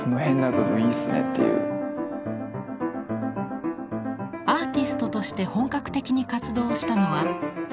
アーティストとして本格的に活動をしたのは僅か６年ほど。